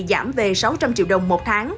giảm về sáu trăm linh triệu đồng một tháng